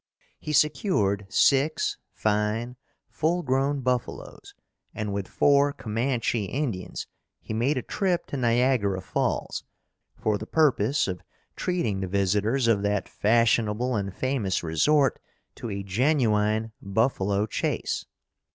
He secured six fine, full grown buffalos, and with four Commanche Indians, he made a trip to Niagara Falls, for the purpose of treating the visitors of that fashionable and famous resort to a genuine buffalo chase.